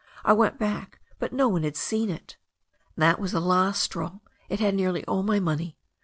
I went back, but no one had seen it. That was the last straw — ^it had nearly all my money.